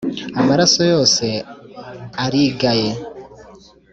Amaraso yose arigaye.